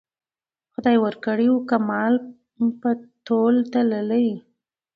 خدای ورکړی وو کمال په تول تللی